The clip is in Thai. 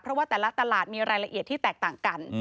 เพราะว่าแต่ละตลาดมีรายละเอียดที่แตกต่างกัน